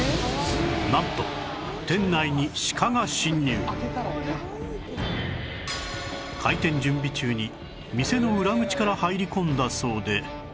なんと店内に開店準備中に店の裏口から入り込んだそうで